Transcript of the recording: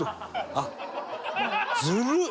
あっずるっ！